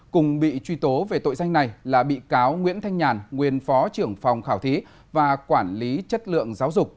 cùng bị truy tố về tội danh này là bị cáo nguyễn thanh nhàn nguyên phó trưởng phòng khảo thí và quản lý chất lượng giáo dục